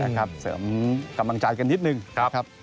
นะครับเสริมกำลังใจกันนิดหนึ่งครับ